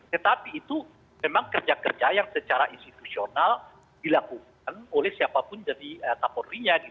tetapi itu memang kerja kerja yang secara institusional dilakukan oleh siapapun dari tapur ria